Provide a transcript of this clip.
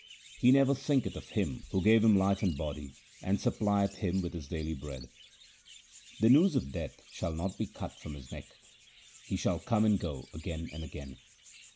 He never thinketh of Him who gave him life and body, and supplieth him with his daily bread. The noose of death shall not be cut from his neck ; he shall come and go again and again.